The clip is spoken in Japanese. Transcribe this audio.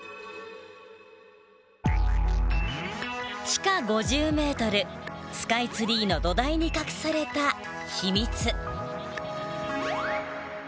地下５０ｍスカイツリーの土台に隠された秘密。